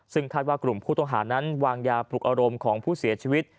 ซึ่งคาดว่ากลุ่มผู้ต้องหานั้นวางยาปลุกอารมณ์ของผู้เสียชีวิต